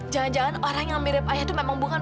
jangan jangan orang yang mirip ayah itu memang bukan